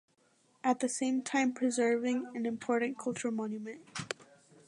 At the same time preserving an important cultural monument.